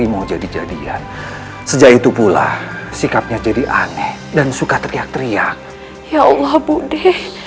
ini menjadi jadian sejak itu pula sikapnya jadi aneh dan suka teriak teriak ya allah budi